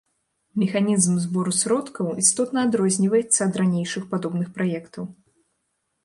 Механізм збору сродкаў істотна адрозніваецца ад ранейшых падобных праектаў.